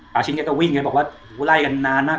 ป่าชิ้นแกก็วิ่งแกบอกว่าลัยกันนานนะ